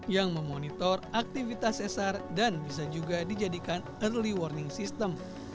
yang memonitor aktivitas esar dan bisa juga dijadikan early warning system